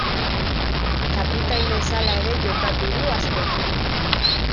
Kapitain bezala ere jokatu du askotan.